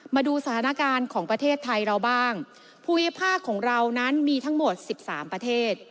มาดูสถานการณ์ของประเทศไทยเราบ้างภูมิภาคของเรานั้นมีทั้งหมดสิบสามประเทศ